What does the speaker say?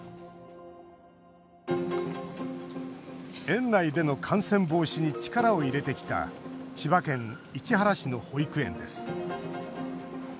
園内での感染防止に力を入れてきた千葉県市原市の保育園です。